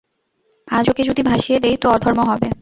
আজ ওকে যদি ভাসিয়ে দিই তো অধর্ম হবে।